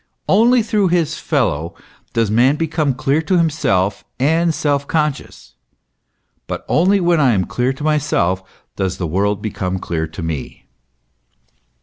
Only through his fellow does man become clear to himself and self conscious; but only when I am clear to myself, does the world become clear to me.